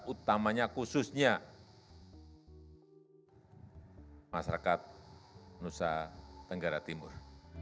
utamanya khususnya masyarakat nusa tenggara timur